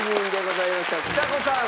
ちさ子さん